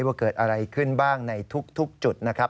ว่าเกิดอะไรขึ้นบ้างในทุกจุดนะครับ